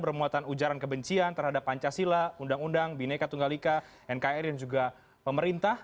bermuatan ujaran kebencian terhadap pancasila undang undang bineka tunggal ika nkri dan juga pemerintah